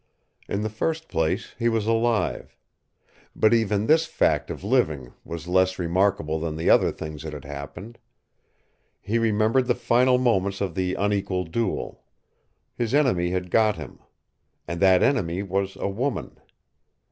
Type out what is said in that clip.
In the first place he was alive. But even this fact of living was less remarkable than the other things that had happened. He remembered the final moments of the unequal duel. His enemy had got him. And that enemy was a woman!